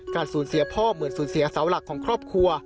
สูญเสียพ่อเหมือนสูญเสียเสาหลักของครอบครัว